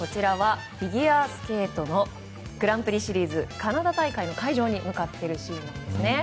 フィギュアスケートのグランプリシリーズカナダ大会の会場に向かっているシーンですね。